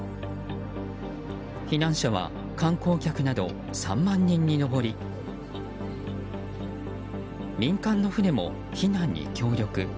避難者は観光客など３万人に上り民間の船も避難に協力。